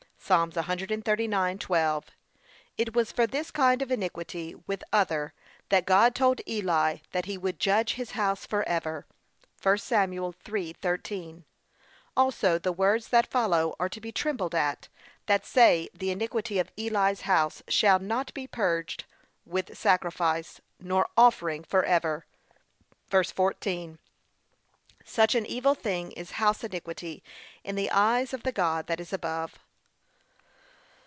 (Psa. 139:12) It was for this kind of iniquity with other, that God told Eli that he would 'judge his house for ever.' (1 Sam. 3:13) also the words that follow are to be trembled at, that say, 'The iniquity of Eli's house shall not be purged with sacrifice nor offering for ever.' (ver. 14) Such an evil thing is house iniquity in the eyes of the God that is above.